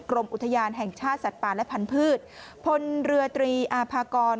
กรมอุทยานแห่งชาติสัตว์ป่าและพันธุ์พลเรือตรีอาภากร